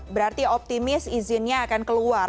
berarti optimis izinnya akan keluar